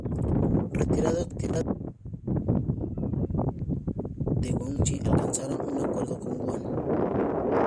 Retirado temporalmente este, los militares de Guangxi alcanzaron un acuerdo con Wuhan.